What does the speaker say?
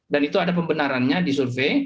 dan itu ada pembenarannya di survei